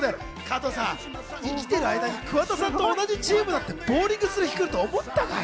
加藤さん、生きてる間に桑田さんと同じチームでボウリングすると思ったかい？